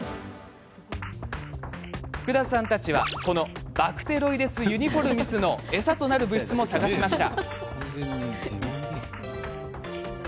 福田さんたちはこのバクテロイデス・ユニフォルミスの餌となる物質も探しました。